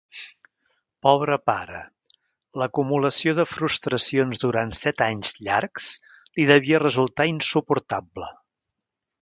Pobre pare, l'acumulació de frustracions durant set anys llargs li devia resultar insuportable.